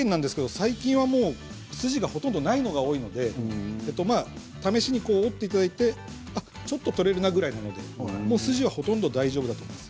最近は筋がほとんどないものが多いので試しに折っていただいてちょっと取れるなぐらいで筋はほとんど大丈夫だと思います。